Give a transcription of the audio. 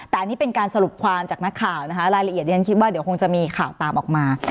แต่อันนี้เป็นการสรุปความจากนักข่าวนะคะรายละเอียดที่ฉันคิดว่าเดี๋ยวคงจะมีข่าวตามออกมา